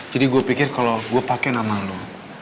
jadi gue pikir kalau gue pakai nama lo